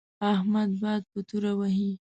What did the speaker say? احمد باد په توره وهي.